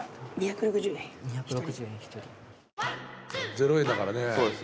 ０円だからね。